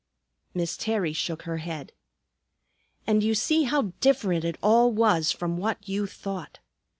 Miss Terry shook her head. "And you see how different it all was from what you thought.